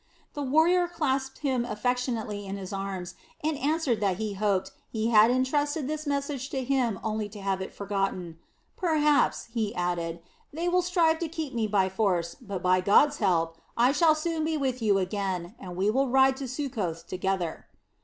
The warrior clasped him affectionately in his arms and answered that he hoped he had entrusted this message to him only to have it forgotten. "Perhaps," he added, "they will strive to keep me by force, but by God's help I shall soon be with you again, and we will ride to Succoth together."